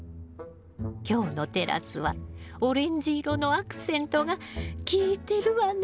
今日のテラスはオレンジ色のアクセントがきいてるわね。